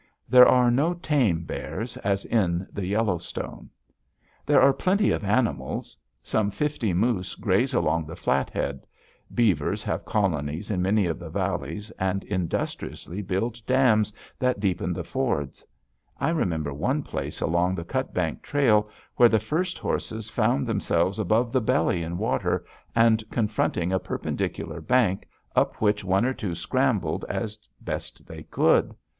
There are no tame bears, as in the Yellowstone. There are plenty of animals. Some fifty moose graze along the Flathead. Beavers have colonies in many of the valleys and industriously build dams that deepen the fords. I remember one place along the Cutbank Trail where the first horses found themselves above the belly in water and confronting a perpendicular bank up which one or two scrambled as best they could.